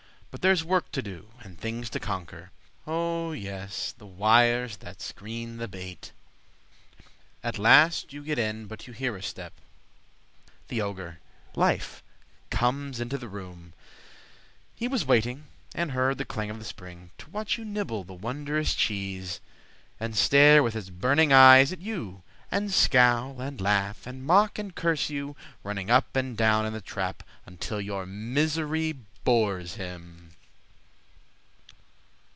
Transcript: But there's work to do and things to conquer— Oh, yes! the wires that screen the bait. At last you get in—but you hear a step: The ogre, Life, comes into the room, (He was waiting and heard the clang of the spring) To watch you nibble the wondrous cheese, And stare with his burning eyes at you, And scowl and laugh, and mock and curse you, Running up and down in the trap, Until your misery bores him.